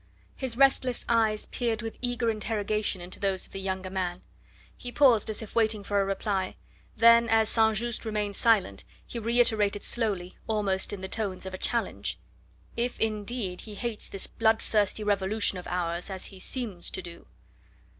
His restless eyes peered with eager interrogation into those of the younger man. He paused as if waiting for a reply; then, as St. Just remained silent, he reiterated slowly, almost in the tones of a challenge: "If indeed he hates this bloodthirsty revolution of ours as he seems to do."